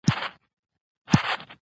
زه نه پوهېږم